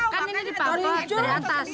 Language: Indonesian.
kan ini dipampet dari atas